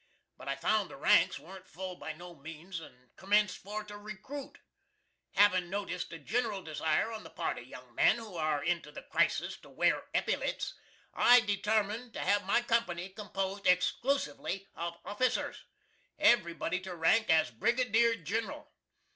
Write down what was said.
But I found the ranks wasn't full by no means, and commenced for to recroot. Havin notist a gineral desire on the part of young men who are into the crisis to wear eppylits, I detarmined to have my company composed excloosviely of offissers, everybody to rank as Brigadeer Ginral.